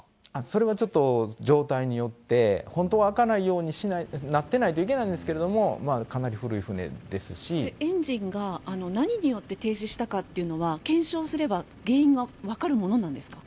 それはちょっと状態によって、本当は開かないようになってないといけないんですけれども、かなエンジンが何によって停止したかっていうのは、検証すれば原因は分かるものなんですか。